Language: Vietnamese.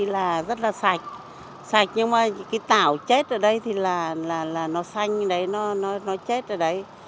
và rất là sạch sạch nhưng mà cái tàu chết ở đây thì là nó xanh như đấy nó chết ở đấy